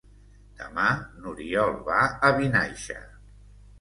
Demà n'Oriol va a Vinaixa.